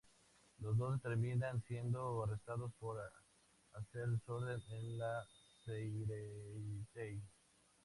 Los dos terminan siendo arrestados por hacer desorden en el Seireitei.